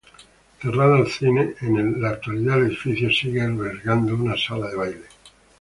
Cerrado el cine, en la actualidad el edificio sigue albergando una sala de baile.